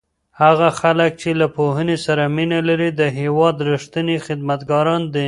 هغه خلک چې له پوهنې سره مینه لري د هېواد رښتیني خدمتګاران دي.